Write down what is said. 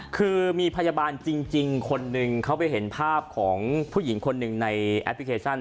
คือมีพยาบาลจริงคนหนึ่งเขาไปเห็นภาพของผู้หญิงคนหนึ่งในแอปพลิเคชัน